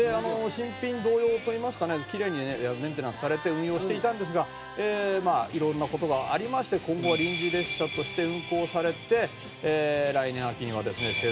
「新品同様といいますかねきれいにメンテナンスされて運用していたんですがまあ色んな事がありまして今後は臨時列車として運行されて来年秋にはですね